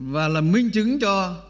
và là minh chứng cho